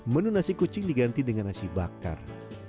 menu nasi kucing diganti dengan nasi bakar